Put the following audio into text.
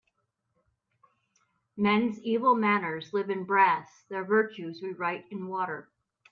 Men's evil manners live in brass; their virtues we write in water